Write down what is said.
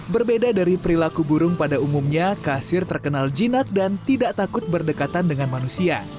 berbeda dari perilaku burung pada umumnya kasir terkenal jinak dan tidak takut berdekatan dengan manusia